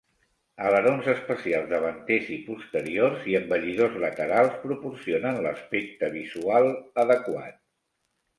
Alerons especials davanters i posteriors i embellidors laterals proporcionen l'aspecte visual adequat.